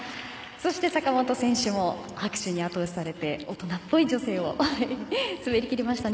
そして坂本選手も拍手にあと押しされて大人っぽい女性を滑り切りましたね。